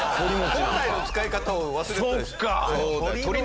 本来の使い方を忘れてたでしょ？